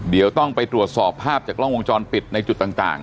เดี๋ยวต้องไปตรวจสอบภาพจากกล้องวงจรปิดในจุดต่าง